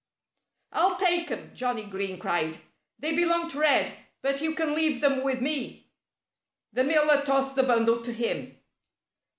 "I'll take 'em!" Johnnie Green cried. "They belong to Red. But you can leave them with me." The miller tossed the bundle to him.